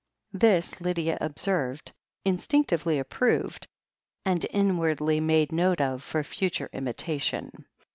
This Lydia observed, instinctively approved, and inwardly made note of for future imitation.